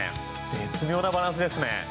絶妙なバランスですね。